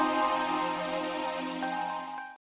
ampuni dosa anakku